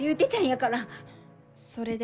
それで？